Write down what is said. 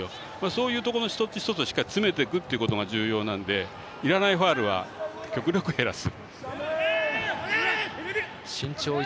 そういうところの一つ一つを詰めていくということが重要なのでいらないファウルは極力、減らす。